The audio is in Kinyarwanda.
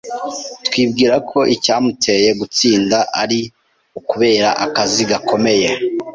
Twibwira ko icyamuteye gutsinda ari ukubera akazi gakomeye.